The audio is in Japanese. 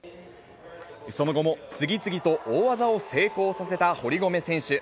その後も次々と大技を成功させた堀米選手。